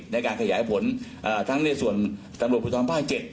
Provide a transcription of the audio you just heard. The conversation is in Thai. ในการขยายผลทั้งในส่วนตำรวจผู้สัมภาษณ์๗